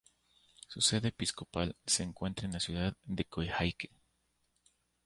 Su sede episcopal se encuentra en la ciudad de Coyhaique.